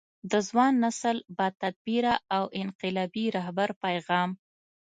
د ځوان نسل با تدبیره او انقلابي رهبر پیغام